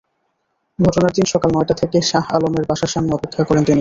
ঘটনার দিন সকাল নয়টা থেকে শাহ আলমের বাসার সামনে অপেক্ষা করেন তিনি।